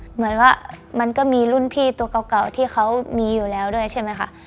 เหมือนว่ามันก็มีรุ่นพี่ตัวเก่าที่เขามีอยู่แล้วด้วยใช่ไหมคะ